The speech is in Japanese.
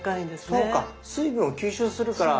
そうか水分を吸収するから。